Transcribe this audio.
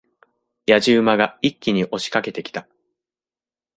野次馬が一気に押し掛けてきた。